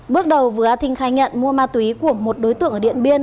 bước đầu vừa á thinh khai nhận mua ma túy của một đối tượng ở điện biên